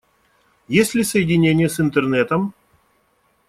Есть ли соединение с Интернетом?